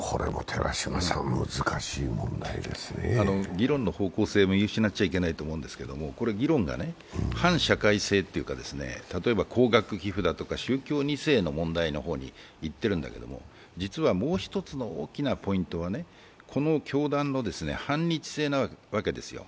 議論の方向性を見失っちゃいけないと思うんですけれども、議論が反社会性っていうか例えば、高額寄付だとか宗教２世の問題の方にいってるわけですが実はもう一つの大きなポイントはこの教団の反日性なわけですよ。